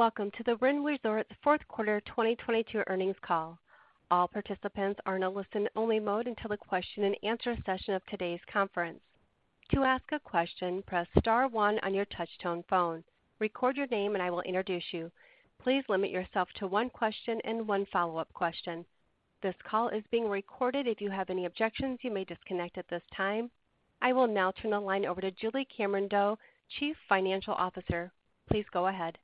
Welcome to the Wynn Resorts fourth quarter 2022 earnings call. All participants are in a listen only mode until the question and answer session of today's conference. To ask a question, press star one on your touchtone phone, record your name and I will introduce you. Please limit yourself to one question and one follow-up question. This call is being recorded. If you have any objections, you may disconnect at this time. I will now turn the line over to Julie Cameron-Doe, Chief Financial Officer. Please go ahead.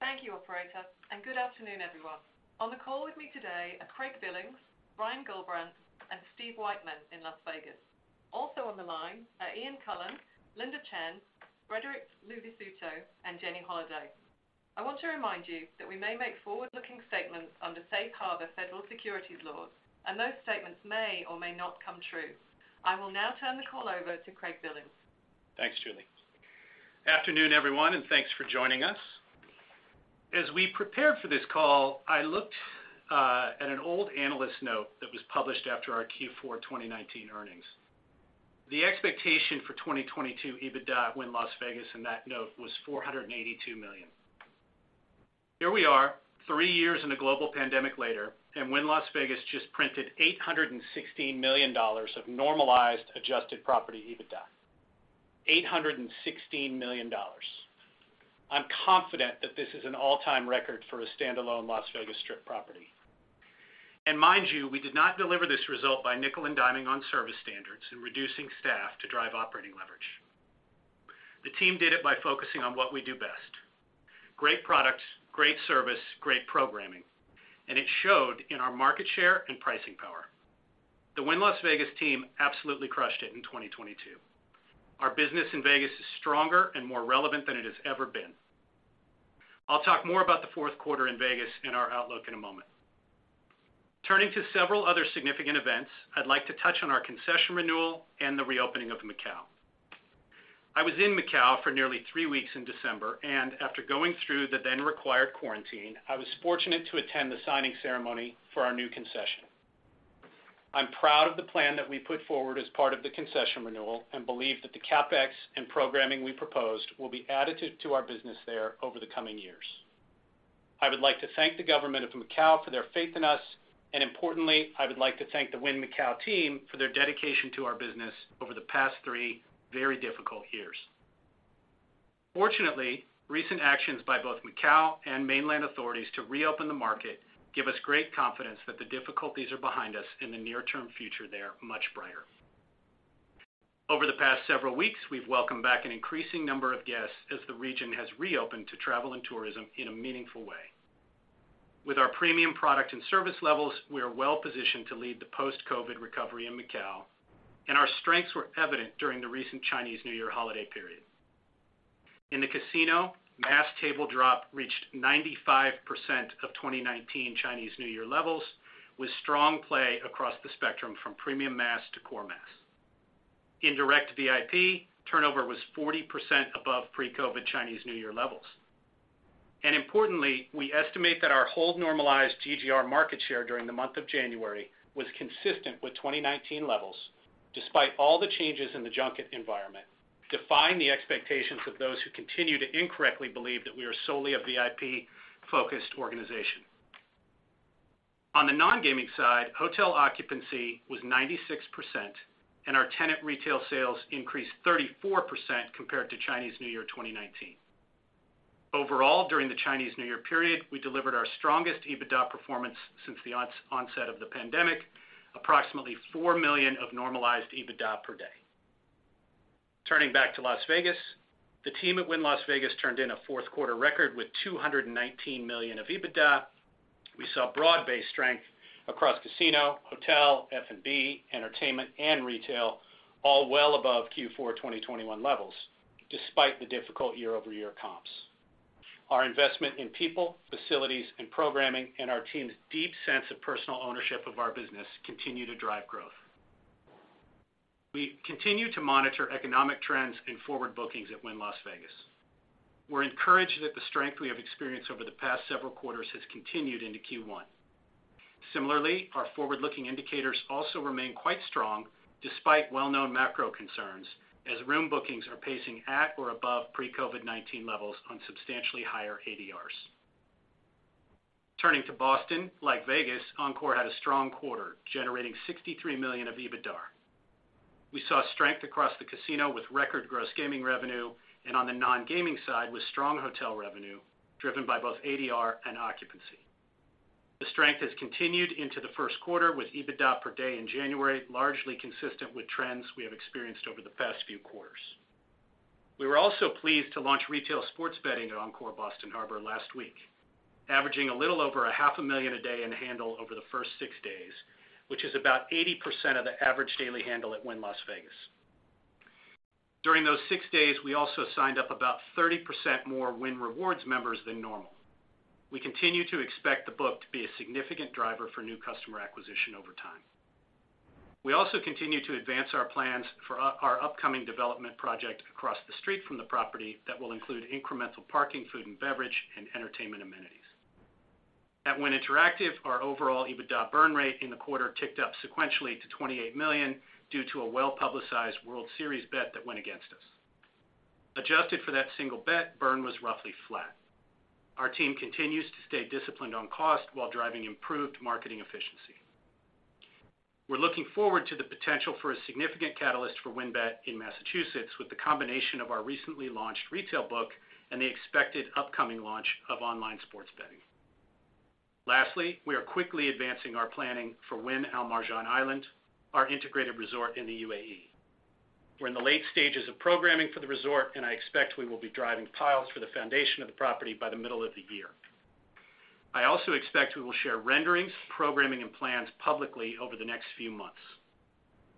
Thank you, operator. Good afternoon, everyone. On the call with me today are Craig Billings, Brian Gullbrants, and Steve Weitman in Las Vegas. Also on the line are Ian Coughlan, Linda Chen, Frederic Luvisutto, and Jenny Holaday. I want to remind you that we may make forward-looking statements under Safe Harbor federal securities laws, and those statements may or may not come true. I will now turn the call over to Craig Billings. Thanks, Julie. Afternoon, everyone, thanks for joining us. As we prepared for this call, I looked at an old analyst note that was published after our Q4 2019 earnings. The expectation for 2022 EBITDA Wynn Las Vegas in that note was $482 million. Here we are, 3 years in a global pandemic later, Wynn Las Vegas just printed $816 million of normalized adjusted property EBITDA. $816 million. I'm confident that this is an all-time record for a standalone Las Vegas Strip property. Mind you, we did not deliver this result by nickel and diming on service standards and reducing staff to drive operating leverage. The team did it by focusing on what we do best: great products, great service, great programming. It showed in our market share and pricing power. The Wynn Las Vegas team absolutely crushed it in 2022. Our business in Vegas is stronger and more relevant than it has ever been. I'll talk more about the fourth quarter in Vegas and our outlook in a moment. Turning to several other significant events, I'd like to touch on our concession renewal and the reopening of Macau. After going through the then required quarantine, I was fortunate to attend the signing ceremony for our new concession. I'm proud of the plan that we put forward as part of the concession renewal and believe that the CapEx and programming we proposed will be additive to our business there over the coming years. I would like to thank the government of Macau for their faith in us, and importantly, I would like to thank the Wynn Macau team for their dedication to our business over the past three very difficult years. Fortunately, recent actions by both Macau and mainland authorities to reopen the market give us great confidence that the difficulties are behind us and the near-term future there much brighter. Over the past several weeks, we've welcomed back an increasing number of guests as the region has reopened to travel and tourism in a meaningful way. With our premium product and service levels, we are well-positioned to lead the post-COVID recovery in Macau, and our strengths were evident during the recent Chinese New Year holiday period. In the casino, mass table drop reached 95% of 2019 Chinese New Year levels, with strong play across the spectrum from premium mass to core mass. In direct VIP, turnover was 40% above pre-COVID Chinese New Year levels. Importantly, we estimate that our hold normalized GGR market share during the month of January was consistent with 2019 levels, despite all the changes in the junket environment, defying the expectations of those who continue to incorrectly believe that we are solely a VIP-focused organization. On the non-gaming side, hotel occupancy was 96% and our tenant retail sales increased 34% compared to Chinese New Year 2019. Overall, during the Chinese New Year period, we delivered our strongest EBITDA performance since the onset of the pandemic, approximately $4 million of normalized EBITDA per day. Turning back to Las Vegas, the team at Wynn Las Vegas turned in a fourth quarter record with $219 million of EBITDA. We saw broad-based strength across casino, hotel, F&B, entertainment, and retail, all well above Q4 2021 levels, despite the difficult year-over-year comps. Our investment in people, facilities, and programming, and our team's deep sense of personal ownership of our business continue to drive growth. We continue to monitor economic trends and forward bookings at Wynn Las Vegas. We're encouraged that the strength we have experienced over the past several quarters has continued into Q1. Similarly, our forward-looking indicators also remain quite strong despite well-known macro concerns, as room bookings are pacing at or above pre-COVID-19 levels on substantially higher ADRs. Turning to Boston, like Vegas, Encore had a strong quarter, generating $63 million of EBITDAR. We saw strength across the casino with record gross gaming revenue and on the non-gaming side with strong hotel revenue driven by both ADR and occupancy. The strength has continued into the first quarter with EBITDA per day in January, largely consistent with trends we have experienced over the past few quarters. We were also pleased to launch retail sports betting at Encore Boston Harbor last week, averaging a little over a half a million a day in handle over the first six days, which is about 80% of the average daily handle at Wynn Las Vegas. During those 6 days, we also signed up about 30% more Wynn Rewards members than normal. We continue to expect the book to be a significant driver for new customer acquisition over time. We also continue to advance our plans for our upcoming development project across the street from the property that will include incremental parking, food and beverage, and entertainment amenities. At Wynn Interactive, our overall EBITDA burn rate in the quarter ticked up sequentially to $28 million due to a well-publicized World Series bet that went against us. Adjusted for that single bet, burn was roughly flat. Our team continues to stay disciplined on cost while driving improved marketing efficiency. We're looking forward to the potential for a significant catalyst for WynnBET in Massachusetts with the combination of our recently launched retail book and the expected upcoming launch of online sports betting. Lastly, we are quickly advancing our planning for Wynn Al Marjan Island, our integrated resort in the UAE. We're in the late stages of programming for the resort, and I expect we will be driving piles for the foundation of the property by the middle of the year. I also expect we will share renderings, programming, and plans publicly over the next few months.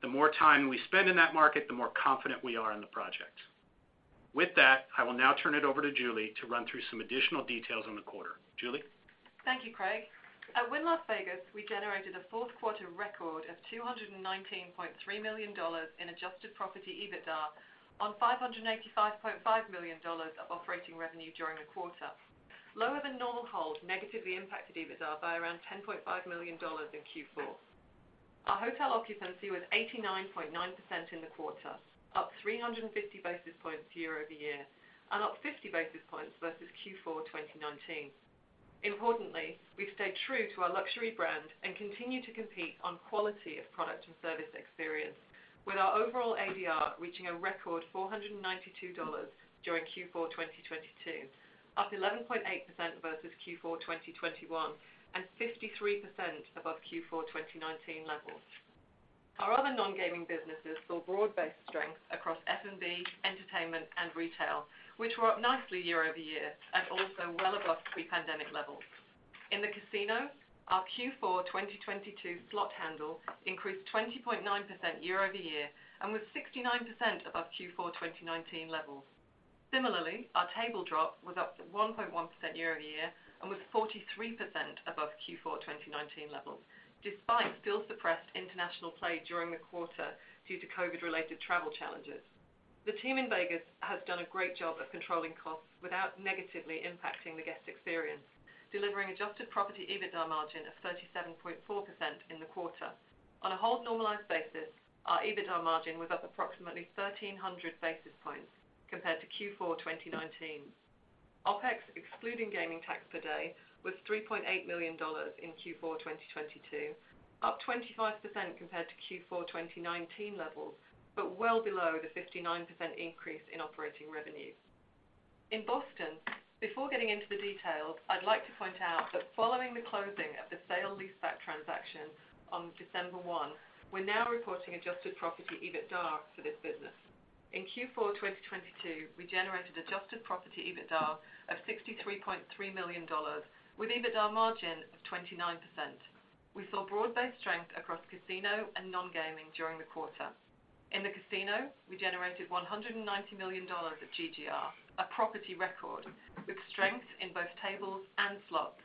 The more time we spend in that market, the more confident we are in the project. With that, I will now turn it over to Julie to run through some additional details on the quarter. Julie? Thank you, Craig. At Wynn Las Vegas, we generated a fourth quarter record of $219.3 million in adjusted property EBITDA on $585.5 million of operating revenue during the quarter. Lower than normal hold negatively impacted EBITDA by around $10.5 million in Q4. Our hotel occupancy was 89.9% in the quarter, up 350 basis points year-over-year, and up 50 basis points versus Q4, 2019. Importantly, we've stayed true to our luxury brand and continue to compete on quality of product and service experience with our overall ADR reaching a record $492 during Q4, 2022, up 11.8% versus Q4, 2021, and 53% above Q4, 2019 levels. Our other non-gaming businesses saw broad-based strength across F&B, entertainment, and retail, which were up nicely year-over-year and also well above pre-pandemic levels. In the casino, our Q4 2022 slot handle increased 20.9% year-over-year and was 69% above Q4 2019 levels. Similarly, our table drop was up 1.1% year-over-year and was 43% above Q4 2019 levels, despite still suppressed international play during the quarter due to COVID-related travel challenges. The team in Vegas has done a great job of controlling costs without negatively impacting the guest experience, delivering adjusted property EBITDA margin of 37.4% in the quarter. On a hold normalized basis, our EBITDA margin was up approximately 1,300 basis points compared to Q4 2019. OpEx, excluding gaming tax per day, was $3.8 million in Q4 2022, up 25% compared to Q4 2019 levels, well below the 59% increase in operating revenues. In Boston, before getting into the details, I'd like to point out that following the closing of the sale-leaseback transaction on December 1, we're now reporting adjusted property EBITDA for this business. In Q4 2022, we generated adjusted property EBITDA of $63.3 million with EBITDA margin of 29%. We saw broad-based strength across casino and non-gaming during the quarter. In the casino, we generated $190 million of GGR, a property record with strength in both tables and slots.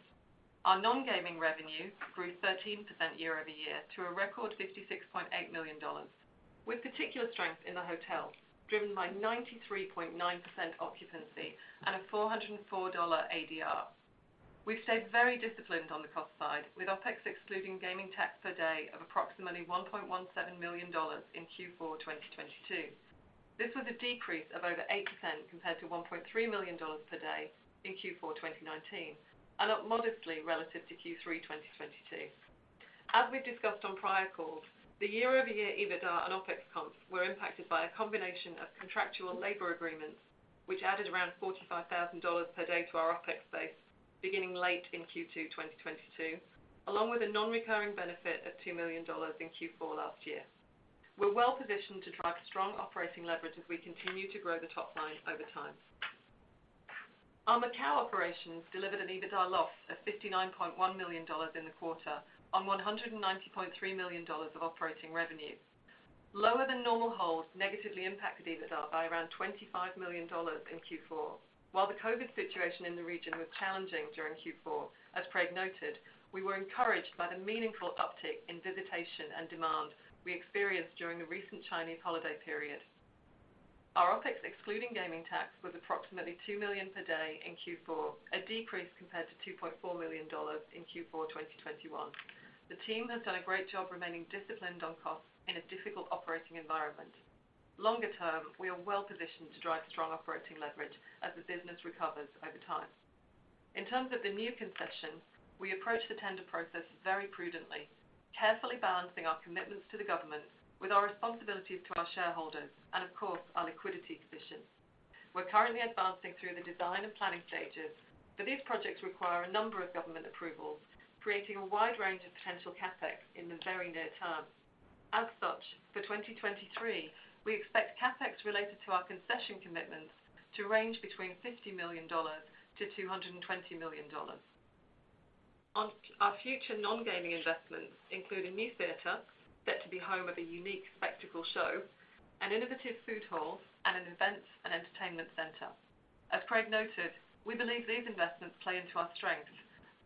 Our non-gaming revenue grew 13% year-over-year to a record $56.8 million, with particular strength in the hotel, driven by 93.9% occupancy and a $404 ADR. We've stayed very disciplined on the cost side with OpEx excluding gaming tax per day of approximately $1.17 million in Q4 2022. This was a decrease of over 8% compared to $1.3 million per day in Q4 2019, and up modestly relative to Q3 2022. As we've discussed on prior calls, the year-over-year EBITDA and OpEx comps were impacted by a combination of contractual labor agreements, which added around $45,000 per day to our OpEx base beginning late in Q2 2022, along with a non-recurring benefit of $2 million in Q4 last year. We're well-positioned to drive strong operating leverage as we continue to grow the top line over time. Our Macau operations delivered an EBITDA loss of $59.1 million in the quarter on $190.3 million of operating revenues. Lower than normal holds negatively impacted EBITDA by around $25 million in Q4. While the COVID situation in the region was challenging during Q4, as Craig noted, we were encouraged by the meaningful uptick in visitation and demand we experienced during the recent Chinese holiday period. Our OpEx, excluding gaming tax, was approximately $2 million per day in Q4, a decrease compared to $2.4 million in Q4, 2021. The team has done a great job remaining disciplined on costs in a difficult operating environment. Longer term, we are well-positioned to drive strong operating leverage as the business recovers over time. In terms of the new concessions, we approach the tender process very prudently, carefully balancing our commitments to the government with our responsibilities to our shareholders and, of course, our liquidity position. We're currently advancing through the design and planning stages, but these projects require a number of government approvals, creating a wide range of potential CapEx in the very near term. As such, for 2023, we expect CapEx related to our concession commitments to range between $50 million -$220 million. On our future non-gaming investments include a new theater set to be home of a unique spectacle show, an innovative food hall, and an event and entertainment center. As Craig noted, we believe these investments play into our strength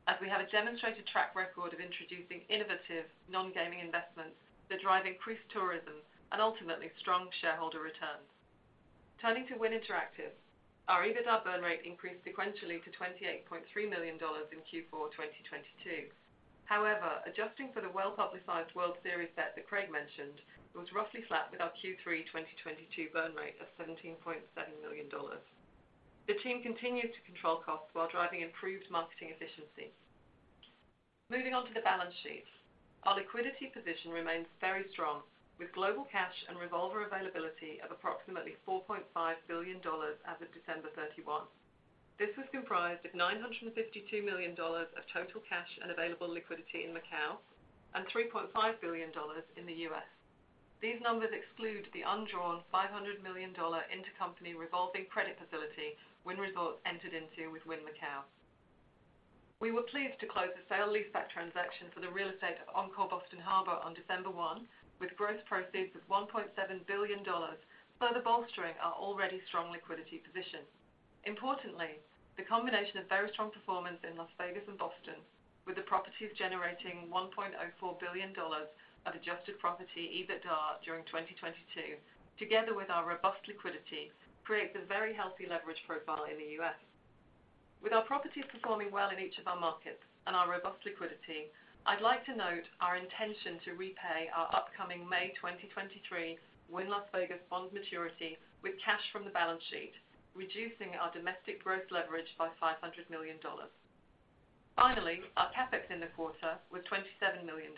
as we have a demonstrated track record of introducing innovative non-gaming investments that drive increased tourism and ultimately strong shareholder returns. Turning to Wynn Interactive, our EBITDA burn rate increased sequentially to $28.3 million in Q4 2022. Adjusting for the well-publicized World Series bet that Craig mentioned, it was roughly flat with our Q3 2022 burn rate of $17.7 million. The team continues to control costs while driving improved marketing efficiency. Moving on to the balance sheet. Our liquidity position remains very strong, with global cash and revolver availability of approximately $4.5 billion as of December 31. This was comprised of $952 million of total cash and available liquidity in Macau and $3.5 billion in the U.S. These numbers exclude the undrawn $500 million intercompany revolving credit facility Wynn Resorts entered into with Wynn Macau. We were pleased to close the sale-leaseback transaction for the real estate at Encore Boston Harbor on December 1, with gross proceeds of $1.7 billion, further bolstering our already strong liquidity position. Importantly, the combination of very strong performance in Las Vegas and Boston, with the properties generating $1.04 billion of adjusted property EBITDA during 2022, together with our robust liquidity, creates a very healthy leverage profile in the U.S. With our properties performing well in each of our markets and our robust liquidity, I'd like to note our intention to repay our upcoming May 2023 Wynn Las Vegas bond maturity with cash from the balance sheet, reducing our domestic growth leverage by $500 million. Finally, our CapEx in the quarter was $27 million,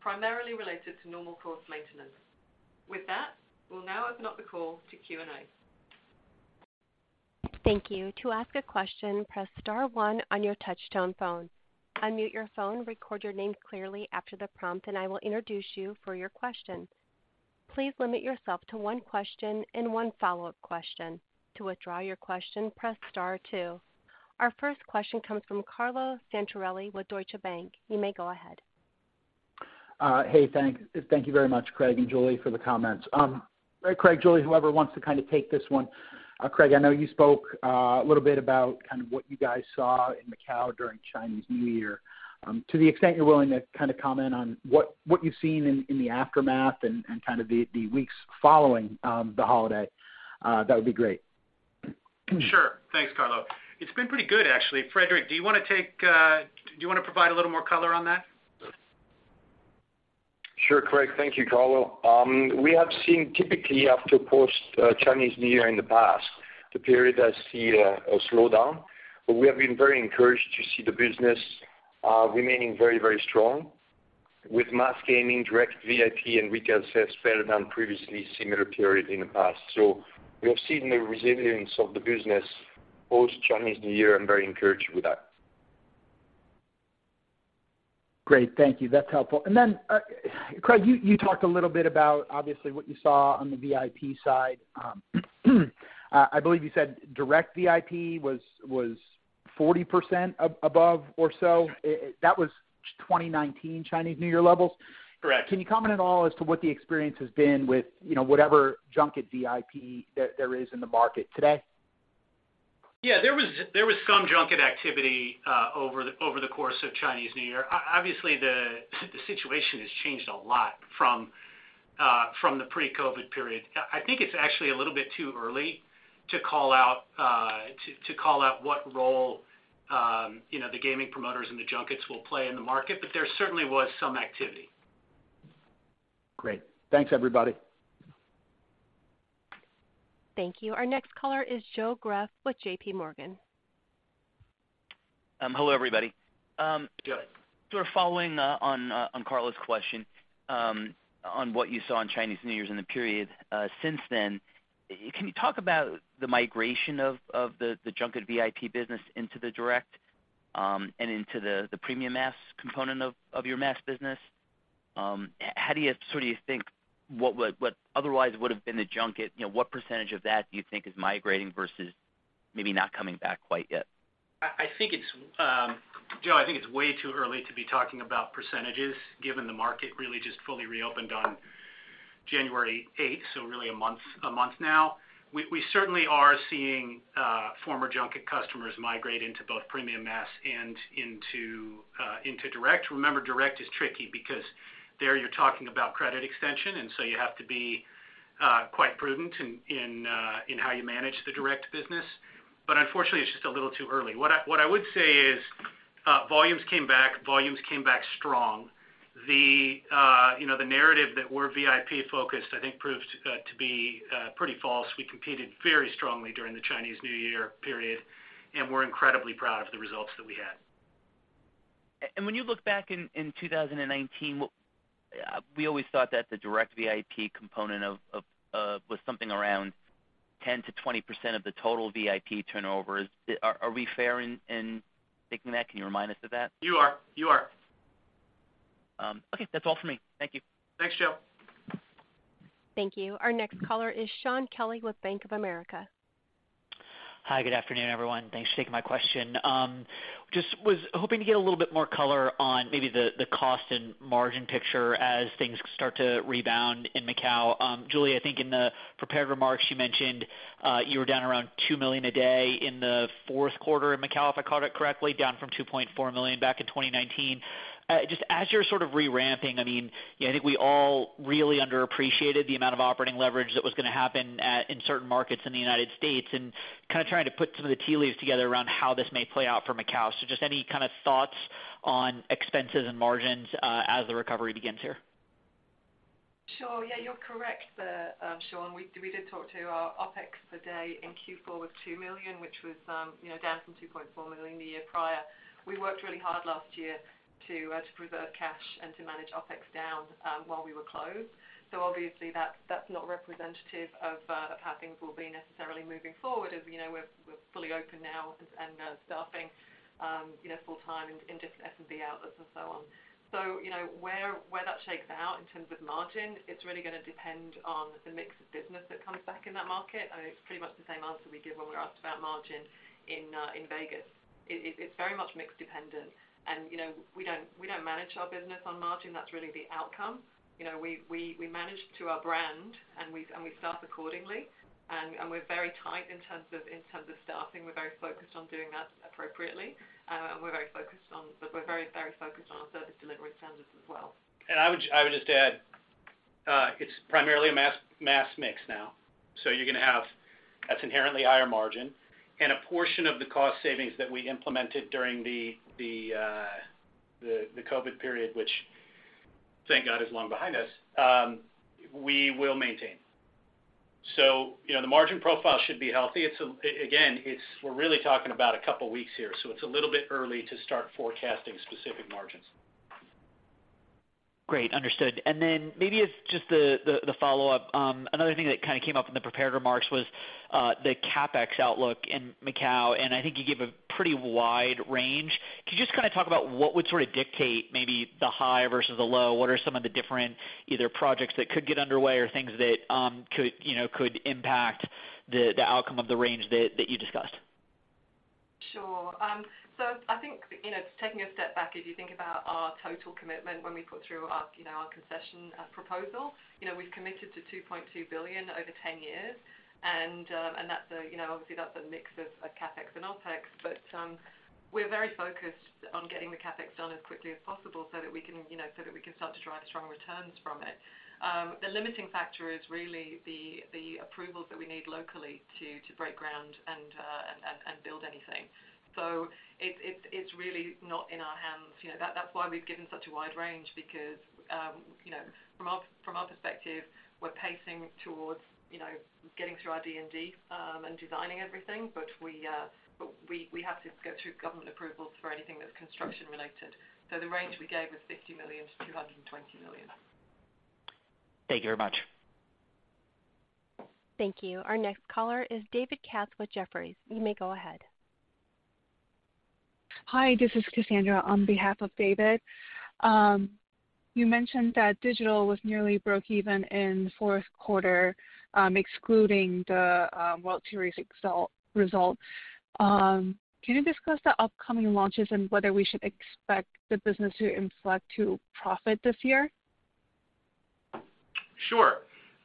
primarily related to normal course maintenance. With that, we'll now open up the call to Q&A. Thank you. To ask a question, press star one on your touchtone phone. Unmute your phone, record your name clearly after the prompt, and I will introduce you for your question. Please limit yourself to one question and one follow-up question. To withdraw your question, press star two. Our first question comes from Carlo Santarelli with Deutsche Bank. You may go ahead. Hey, thank you very much, Craig and Julie, for the comments. Craig, Julie, whoever wants to kind of take this one. Craig, I know you spoke a little bit about kind of what you guys saw in Wynn Macau during Chinese New Year. To the extent you're willing to kind of comment on what you've seen in the aftermath and kind of the weeks following the holiday, that would be great. Sure. Thanks, Carlo. It's been pretty good, actually. Frederic, do you wanna take, do you wanna provide a little more color on that? Sure, Craig. Thank you, Carlo. We have seen typically after post Chinese New Year in the past, the period has seen a slowdown, but we have been very encouraged to see the business remaining very, very strong. With mass gaming, direct VIP and retail sales better than previously similar periods in the past. We have seen the resilience of the business post-Chinese New Year and very encouraged with that. Great. Thank you. That's helpful. Then, Craig, you talked a little bit about obviously what you saw on the VIP side. I believe you said direct VIP was 40% above or so. That was 2019 Chinese New Year levels. Correct. Can you comment at all as to what the experience has been with, you know, whatever junket VIP there is in the market today? There was some junket activity over the course of Chinese New Year. Obviously, the situation has changed a lot from the pre-COVID period. I think it's actually a little bit too early to call out what role, you know, the gaming promoters and the junkets will play in the market, but there certainly was some activity. Great. Thanks, everybody. Thank you. Our next caller is Joe Greff with JPMorgan. Hello, everybody. Go ahead. Sort of following, on Carlo's question, on what you saw in Chinese New Year and the period, since then, can you talk about the migration of the junket VIP business into the direct, and into the premium mass component of your mass business? How do you sort of you think what otherwise would have been the junket, you know, what percentage of that do you think is migrating versus maybe not coming back quite yet? I think it's, Joe, I think it's way too early to be talking about %, given the market really just fully reopened on January 8, so really a month now. We certainly are seeing former junket customers migrate into both premium mass and into direct. Remember, direct is tricky because there you're talking about credit extension, and so you have to be quite prudent in how you manage the direct business. Unfortunately, it's just a little too early. What I would say is, volumes came back strong. The, you know, the narrative that we're VIP-focused, I think proved to be pretty false. We competed very strongly during the Chinese New Year period, and we're incredibly proud of the results that we had. When you look back in 2019, we always thought that the direct VIP component of was something around 10%-20% of the total VIP turnover. Are we fair in thinking that? Can you remind us of that? You are. Okay. That's all for me. Thank you. Thanks, Joe. Thank you. Our next caller is Shaun Kelley with Bank of America. Hi, good afternoon, everyone. Thanks for taking my question. Just was hoping to get a little bit more color on maybe the cost and margin picture as things start to rebound in Macau. Julie, I think in the prepared remarks, you mentioned, you were down around $2 million a day in the fourth quarter in Macau, if I caught it correctly, down from $2.4 million back in 2019. Just as you're sort of reramping, I mean, yeah, I think we all Really underappreciated the amount of operating leverage that was gonna happen at, in certain markets in the United States, and kind of trying to put some of the tea leaves together around how this may play out for Macau. Just any kind of thoughts on expenses and margins, as the recovery begins here. Sure. Yeah, you're correct, Shaun. We, we did talk to our OpEx today in Q4 with $2 million, which was, you know, down from $2.4 million the year prior. We worked really hard last year to preserve cash and to manage OpEx down while we were closed. Obviously, that's not representative of how things will be necessarily moving forward, as you know, we're fully open now and staffing, you know, full-time in different F&B outlets and so on. You know, where that shakes out in terms of margin, it's really gonna depend on the mix of business that comes back in that market. It's pretty much the same answer we give when we're asked about margin in Vegas. It's very much mix dependent. You know, we don't, we don't manage our business on margin. That's really the outcome. You know, we manage to our brand, and we staff accordingly. We're very tight in terms of staffing. We're very focused on doing that appropriately. We're very focused on our service delivery standards as well. I would just add, it's primarily a mass mix now. You're gonna have that's inherently higher margin and a portion of the cost savings that we implemented during the COVID period, which, thank God, is long behind us, we will maintain. You know, the margin profile should be healthy. Again, it's we're really talking about a couple weeks here, so it's a little bit early to start forecasting specific margins. Great. Understood. Then maybe it's just the follow-up. Another thing that kinda came up in the prepared remarks was the CapEx outlook in Macau, and I think you gave a pretty wide range. Could you just kinda talk about what would sorta dictate maybe the high versus the low? What are some of the different either projects that could get underway or things that, you know, could impact the outcome of the range that you discussed? Sure. So I think, you know, taking a step back, if you think about our total commitment when we put through our, you know, our concession proposal, you know, we've committed to $2.2 billion over 10 years. That's a, you know, obviously that's a mix of CapEx and OpEx, but we're very focused on getting the CapEx done as quickly as possible so that we can, you know, so that we can start to drive strong returns from it. The limiting factor is really the approvals that we need locally to break ground and build anything. It's really not in our hands. You know, that's why we've given such a wide range because, you know, from our perspective, we're pacing towards, you know, getting through our D&D and designing everything. We have to go through government approvals for anything that's construction related. The range we gave was $50 million-$220 million. Thank you very much. Thank you. Our next caller is David Katz with Jefferies. You may go ahead. Hi, this is Cassandra on behalf of David. You mentioned that digital was nearly breakeven in the fourth quarter, excluding the World Series result. Can you discuss the upcoming launches and whether we should expect the business to inflect to profit this year? Sure.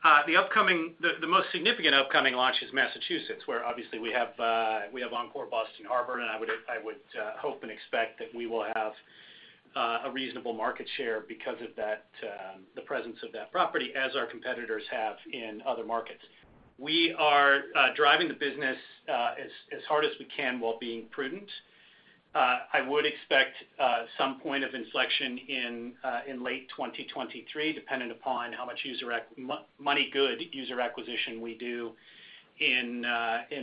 The most significant upcoming launch is Massachusetts, where obviously we have Encore Boston Harbor, and I would hope and expect that we will have a reasonable market share because of that, the presence of that property as our competitors have in other markets. We are driving the business as hard as we can while being prudent. I would expect some point of inflection in late 2023, dependent upon how much user money good user acquisition we do in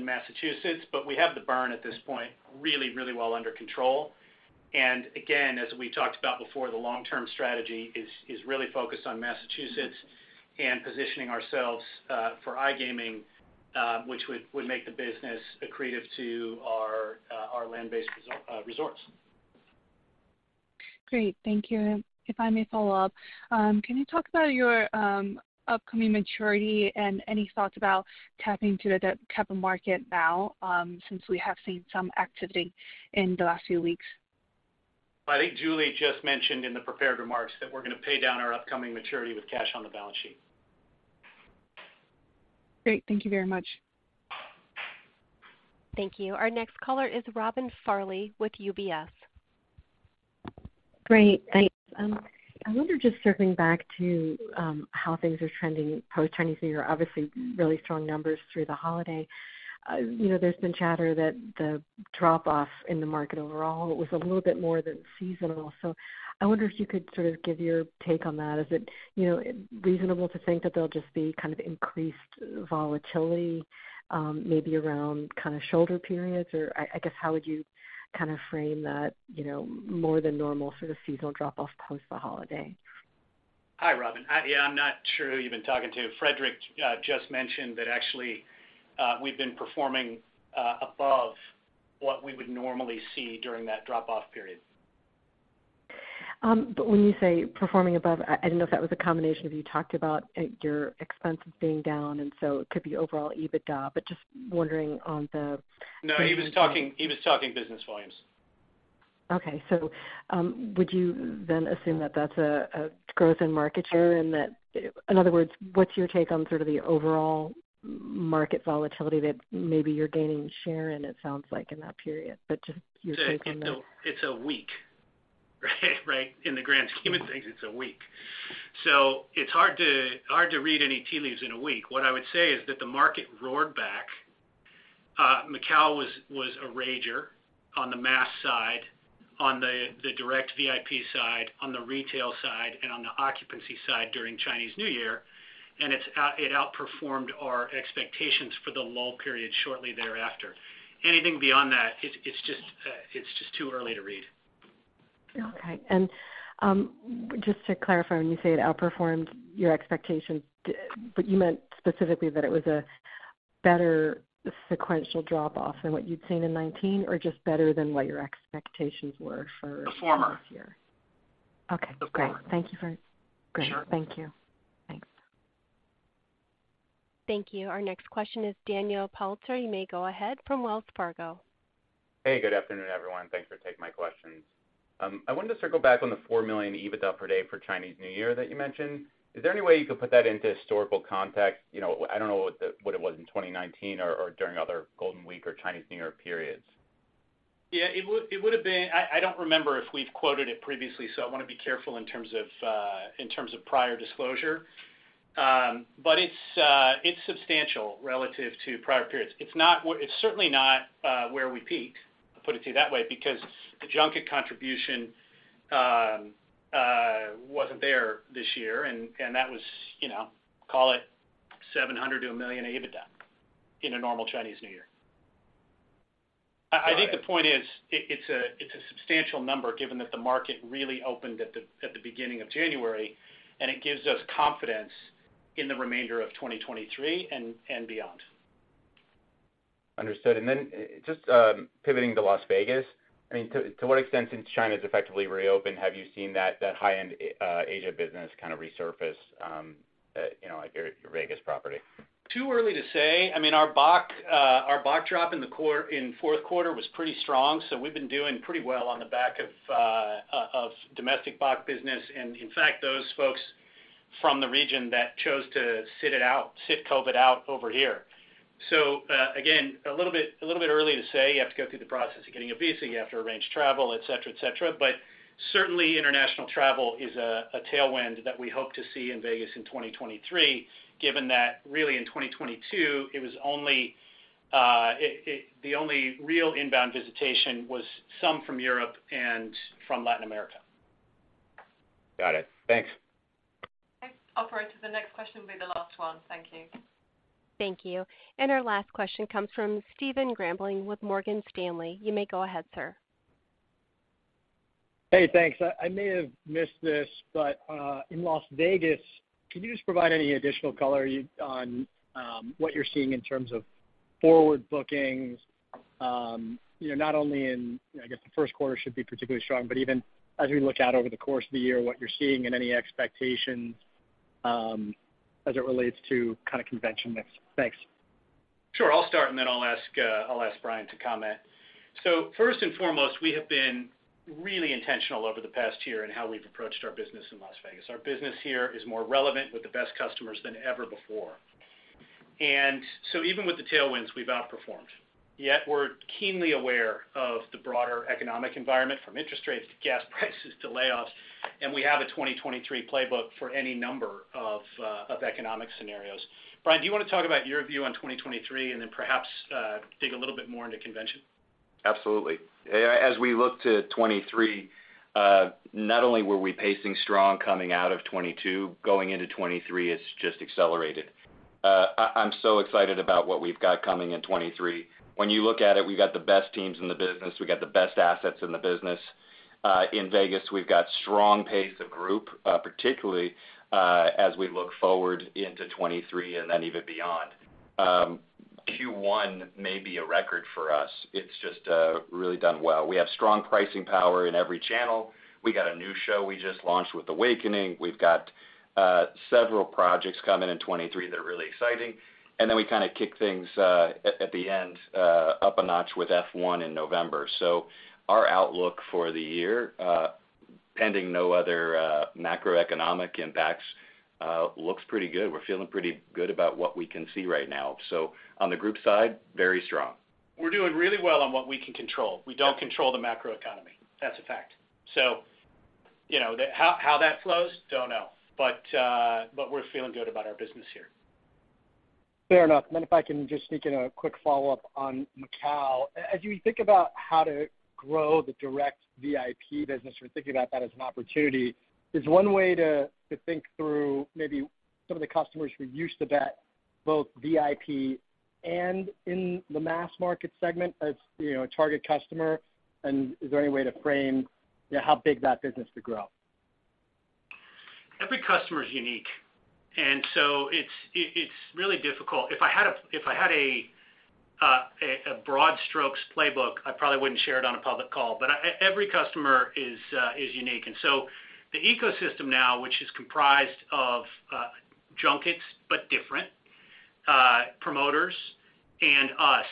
Massachusetts. We have the burn at this point really, really well under control. Again, as we talked about before, the long-term strategy is really focused on Massachusetts and positioning ourselves for iGaming, which would make the business accretive to our land-based resorts. Great. Thank you. If I may follow up, can you talk about your upcoming maturity and any thoughts about tapping to the debt capital market now, since we have seen some activity in the last few weeks? I think Julie just mentioned in the prepared remarks that we're gonna pay down our upcoming maturity with cash on the balance sheet. Great. Thank you very much. Thank you. Our next caller is Robin Farley with UBS. Great. Thanks. I wonder, just circling back to how things are trending post Chinese New Year. Obviously, really strong numbers through the holiday. You know, there's been chatter that the drop-off in the market overall was a little bit more than seasonal. I wonder if you could sort of give your take on that. Is it, you know, reasonable to think that there'll just be kind of increased volatility, maybe around kind of shoulder periods? Or I guess how would you kind of frame that, you know, more than normal sort of seasonal drop-off post the holiday? Hi, Robin. I, yeah, I'm not sure who you've been talking to. Frederic just mentioned that actually, we've been performing above what we would normally see during that drop-off period. When you say performing above, I didn't know if that was a combination of you talked about your expenses being down, and so it could be overall EBITDA, but just wondering? No, he was talking business volumes. Would you then assume that that's a growth in market share? In other words, what's your take on sort of the overall market volatility that maybe you're gaining share, and it sounds like in that period, but just your take on that? It's a week, right? In the grand scheme of things, it's a week. It's hard to read any tea leaves in a week. What I would say is that the market roared back. Macau was a rager on the mass side, on the direct VIP side, on the retail side, and on the occupancy side during Chinese New Year, and it outperformed our expectations for the lull period shortly thereafter. Anything beyond that, it's just too early to read. Okay. Just to clarify, when you say it outperformed your expectations, you meant specifically that it was a better sequential drop-off than what you'd seen in 2019 or just better than what your expectations were for? The former. this year? Okay, great. The former. Thank you for. Great. Sure. Thank you. Thanks. Thank you. Our next question is Daniel Politzer. You may go ahead from Wells Fargo. Hey, good afternoon, everyone. Thanks for taking my questions. I wanted to circle back on the $4 million EBITDA per day for Chinese New Year that you mentioned. Is there any way you could put that into historical context? You know, I don't know what it was in 2019 or during other Golden Week or Chinese New Year periods. Yeah. It would've been... I don't remember if we've quoted it previously, so I wanna be careful in terms of prior disclosure. But it's substantial relative to prior periods. It's certainly not where we peaked, I'll put it to you that way, because the junket contribution wasn't there this year and that was, you know, call it $700 to $1 million EBITDA in a normal Chinese New Year. Got it. I think the point is, it's a substantial number given that the market really opened at the beginning of January, and it gives us confidence in the remainder of 2023 and beyond. Understood. Just pivoting to Las Vegas. I mean, to what extent, since China's effectively reopened, have you seen that high-end Asia business kind of resurface, you know, like your Vegas property? Too early to say. I mean, our BOC, our BOC drop in fourth quarter was pretty strong, so we've been doing pretty well on the back of domestic BOC business. In fact, those folks from the region that chose to sit it out, sit COVID out over here. Again, a little bit early to say. You have to go through the process of getting a visa, you have to arrange travel, et cetera, et cetera. Certainly, international travel is a tailwind that we hope to see in Vegas in 2023, given that really in 2022, the only real inbound visitation was some from Europe and from Latin America. Got it. Thanks. Thanks. Operator, the next question will be the last one. Thank you. Thank you. Our last question comes from Stephen Grambling with Morgan Stanley. You may go ahead, sir. Hey, thanks. I may have missed this, but in Las Vegas, can you just provide any additional color on what you're seeing in terms of forward bookings, you know, not only in, I guess, the first quarter should be particularly strong, but even as we look out over the course of the year, what you're seeing and any expectations, as it relates to kind of convention mix? Thanks. Sure. I'll start and then I'll ask Brian to comment. First and foremost, we have been really intentional over the past year in how we've approached our business in Las Vegas. Our business here is more relevant with the best customers than ever before. Even with the tailwinds, we've outperformed. We're keenly aware of the broader economic environment, from interest rates to gas prices to layoffs, and we have a 2023 playbook for any number of economic scenarios. Brian, do you wanna talk about your view on 2023 and then perhaps dig a little bit more into convention? Absolutely. As we look to 2023, not only were we pacing strong coming out of 2022, going into 2023, it's just accelerated. I'm so excited about what we've got coming in 2023. When you look at it, we've got the best teams in the business, we got the best assets in the business. In Vegas, we've got strong pace of group, particularly, as we look forward into 2023 and then even beyond. Q1 may be a record for us. It's just really done well. We have strong pricing power in every channel. We got a new show we just launched with Awakening. We've got several projects coming in 2023 that are really exciting. Then we kinda kick things at the end up a notch with F1 in November. Our outlook for the year, pending no other, macroeconomic impacts, looks pretty good. We're feeling pretty good about what we can see right now. On the group side, very strong. We're doing really well on what we can control. We don't control the macroeconomy. That's a fact. You know, how that flows, don't know. We're feeling good about our business here. Fair enough. If I can just sneak in a quick follow-up on Macau? As you think about how to grow the direct VIP business or think about that as an opportunity, is one way to think through maybe some of the customers who used to bet both VIP and in the mass market segment as, you know, a target customer? Is there any way to frame, you know, how big that business could grow? Every customer is unique, it's really difficult. If I had a broad strokes playbook, I probably wouldn't share it on a public call. Every customer is unique. The ecosystem now, which is comprised of junkets, but different promoters and us,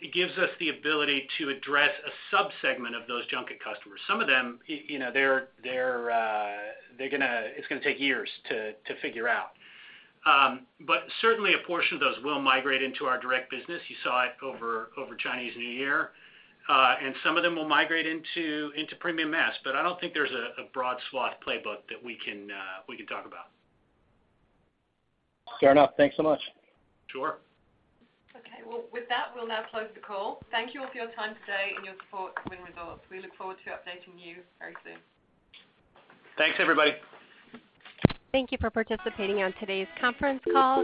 it gives us the ability to address a sub-segment of those junket customers. Some of them, you know, it's gonna take years to figure out. Certainly a portion of those will migrate into our direct business. You saw it over Chinese New Year. Some of them will migrate into premium mass, but I don't think there's a broad swath playbook that we can talk about. Fair enough. Thanks so much. Sure. Okay. Well, with that, we'll now close the call. Thank you all for your time today and your support for Wynn Resorts. We look forward to updating you very soon. Thanks, everybody. Thank you for participating on today's conference call.